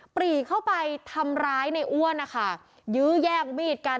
ปรีเข้าไปทำร้ายในอ้วนนะคะยื้อแย่งมีดกัน